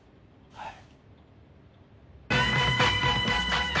はい。